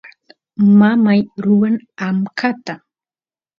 mamay ruwan amkata